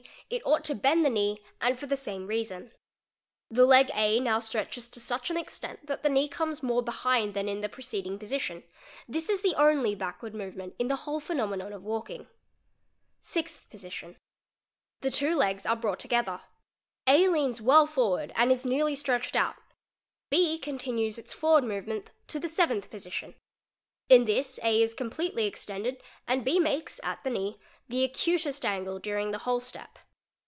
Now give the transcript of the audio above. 1t ought to bend the knee and for the same reason. The leg A now stretches to such an | extent that the knee comes more behind than in the preceding position; Fahne | CR pmidiin SB lhnhtest Bem riAk 3 3 this is the only backward movement in the whole phenomenon of walking. _ Sixth Position—The two legs are brought together. A leans well forward and is nearly stretched out, B continues its forward movement (0 the _ Seventh Position—In this A is completely extended and B makes at the knee the acutest angle during the whole step.